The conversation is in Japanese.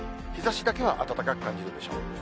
日ざしだけは暖かく感じるでしょう。